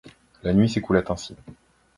La nuit s’écoula ainsi.